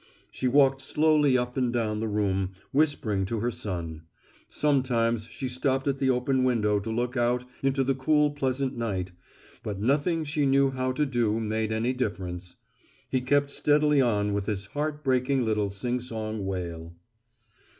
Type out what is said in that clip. She walked slowly up and down the room, whispering to her son. Sometimes she stopped at the open window to look out into the cool pleasant night, but nothing she knew how to do made any difference. He kept steadily on with his heart breaking little singsong wail.